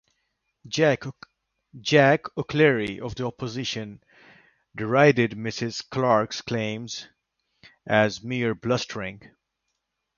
Jack O’Clery of the opposition derided Mrs. Clarke’s claims as “mere blustering”.